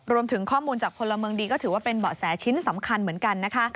รวมถึงข้อมูลจากพลเมืองดีก็ถือว่าเป็นเบาะแสชิ้นสำคัญเหมือนกันนะคะ